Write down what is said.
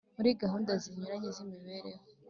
Murigahunda zinyuranye zimibereho